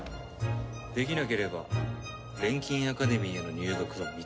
できなければ錬金アカデミーへの入学は認めない。